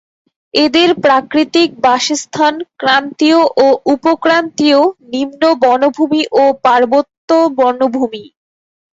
এদের প্রাকৃতিক বাসস্থান ক্রান্তীয় ও উপক্রান্তীয় নিম্ন বনভূমি ও পার্বত্য বনভূমি।